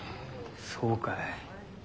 そうかい。